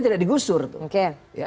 tidak digusur oke